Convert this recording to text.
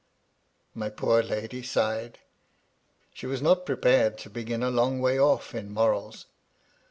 My poor lady sighed : she was not prepared to begin a long way oflF in morals.